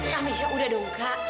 kamisya udah dong kak